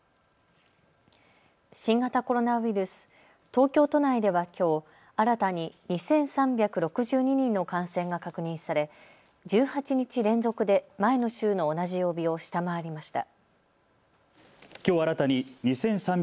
新型コロナウイルス、東京都内ではきょう新たに２３６２人の感染が確認され１８日連続で前の週の同じ曜日を下回りました。